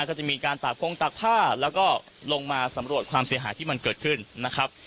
ก็จะมีการตากพงตากผ้าแล้วก็ลงมาสำรวจความเสียหายที่มันเกิดขึ้นนะครับ